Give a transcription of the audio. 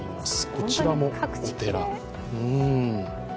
こちらもお寺。